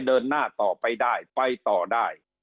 เดินหน้าต่อไปได้ไปต่อได้